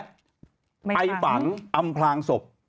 ไปฝังอำพลางศพ